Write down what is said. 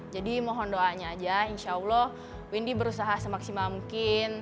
jadi mohon doanya aja insya allah windy berusaha semaksimal mungkin